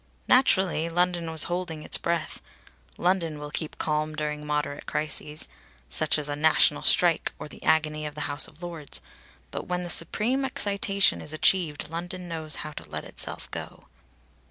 Naturally, London was holding its breath. London will keep calm during moderate crises such as a national strike or the agony of the House of Lords but when the supreme excitation is achieved London knows how to let itself go.